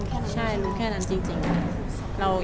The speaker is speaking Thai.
ครับการณ์เดิมสิบหลาย